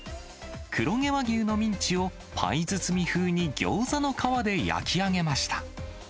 黒毛和牛のミンチをパイ包み風にギョーザの皮で焼き上げました。